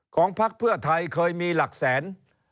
พักเพื่อไทยเคยมีหลักแสน